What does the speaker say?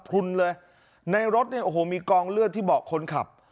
พลุนเลยในรถเนี่ยโอ้โหมีกองเลือดที่เบาะคนขับ